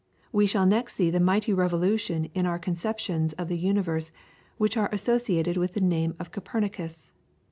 We shall next see the mighty revolution in our conceptions of the universe which are associated with the name of Copernicus.